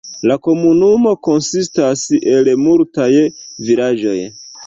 La komunumo konsistas el multaj vilaĝoj.